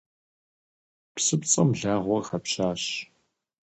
Псыпцӏэм благъуэ къыхэпщащ.